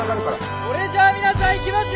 それじゃあ皆さんいきますよ！